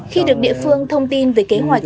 khi được địa phương thông tin về kế hoạch